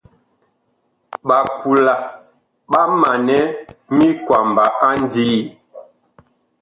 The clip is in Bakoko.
Ɓakula ɓa manɛ minkwaba a ndii.